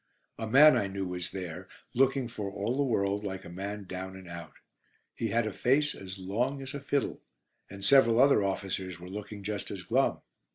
A man I knew was there, looking for all the world like a man down and out. He had a face as long as a fiddle, and several other officers were looking just as glum.